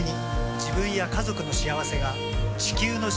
自分や家族の幸せが地球の幸せにつながっている。